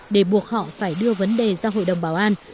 để buộc họ phải đưa vấn đề ra hội đồng bảo an